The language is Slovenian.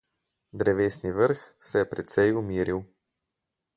Drevesni vrh se je precej umiril.